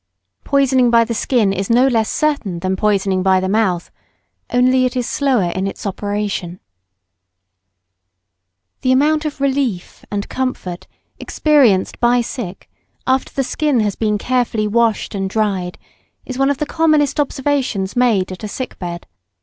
Poisoning by the skin is no less certain than poisoning by the mouth only it is slower in its operation. [Sidenote: Ventilation and skin cleanliness equally essential.] The amount of relief and comfort experienced by sick after the skin has been carefully washed and dried, is one of the commonest observations made at a sick bed.